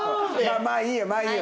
まあいいよまあいいよ。